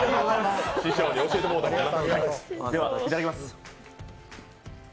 師匠に教えてもらったんやな。